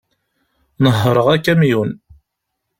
Nehhreɣ akamyun.